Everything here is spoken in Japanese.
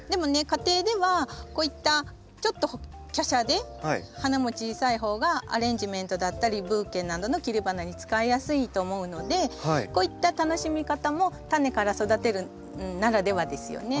家庭ではこういったちょっと華奢で花も小さい方がアレンジメントだったりブーケなどの切り花に使いやすいと思うのでこういった楽しみ方もタネから育てるならではですよね。